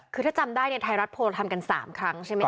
คือถ้าจำได้เนี่ยไทยรัฐโพลทำกัน๓ครั้งใช่ไหมค